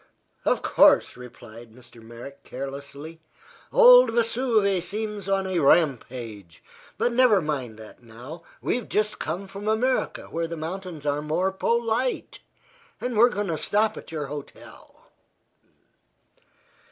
"Of course," replied Mr. Merrick, carelessly. "Old Vesuve seems on a rampage. But never mind that now. We've just come from America, where the mountains are more polite, and we're going to stop at your hotel."